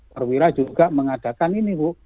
perwira juga mengadakan ini bu